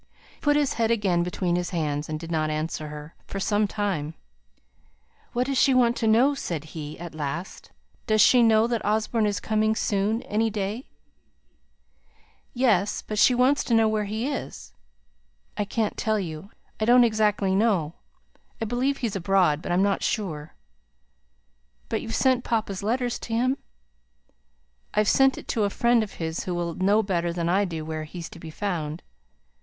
He put his head again between his hands, and did not answer her for some time. "What does she want to know?" said he, at last. "Does she know that Osborne is coming soon any day?" "Yes. But she wants to know where he is." "I can't tell you. I don't exactly know. I believe he's abroad, but I'm not sure." "But you've sent papa's letter to him?" "I've sent it to a friend of his who will know better than I do where he's to be found.